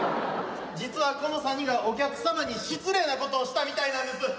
実はこの三人がお客様に失礼なことをしたみたいなんです。